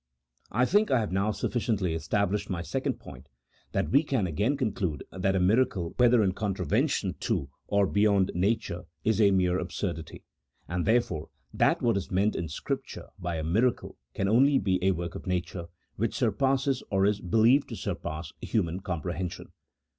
I think I have now sufficiently established my second point, so that we can again conclude that a miracle, whether in contravention to, or beyond, nature, is a mere absurdity ; and, therefore, that what is meant in Scripture by a miracle can only be a work of nature, which surpasses, or is be lieved to surpass, human comprehension.